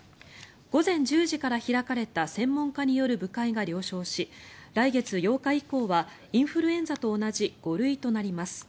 午前１０時から開かれた専門家による部会が了承し来月８日以降はインフルエンザと同じ５類となります。